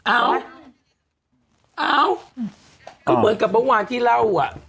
อ้าวอ้าวก็เปิดกับประวัติที่เล่าอ่ะ